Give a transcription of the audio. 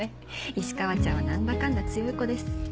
石川ちゃんは何だかんだ強い子です。